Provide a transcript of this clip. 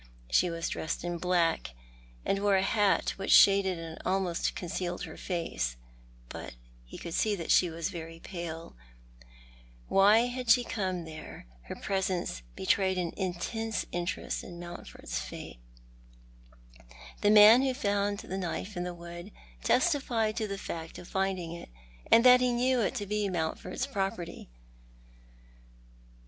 Slie was dressed in black, and wore a hat which shaded and almost concealed her face, but be could see that she was very pale. AYhy had she come Before the Coroner. 125 there ? Her presence betrayed an intense interest in ^Mountford's fate. The man who found the knife in the wood testified to the fact of finding it, and that ho knew it to be Mountfovd's properly.